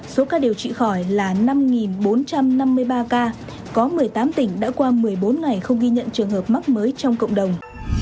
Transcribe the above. số ca điều trị khỏi là năm bốn trăm năm mươi ba ca có một mươi tám tỉnh đã qua một mươi bốn ngày không ghi nhận trường hợp mắc mới trong cộng đồng